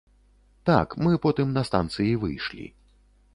Так, мы потым на станцыі выйшлі.